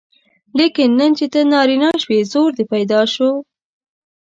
لیکن نن چې ته نارینه شوې زور دې پیدا شو.